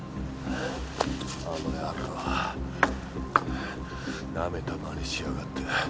あの野郎なめたまねしやがって。